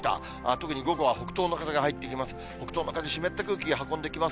特に午後は北東の風が入ってきます。